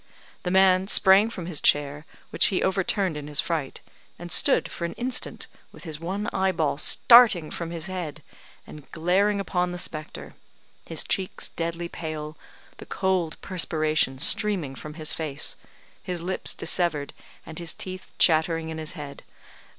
The man sprang from his chair, which he overturned in his fright, and stood for an instant with his one eyeball starting from his head, and glaring upon the spectre; his cheeks deadly pale; the cold perspiration streaming from his face; his lips dissevered, and his teeth chattering in his head.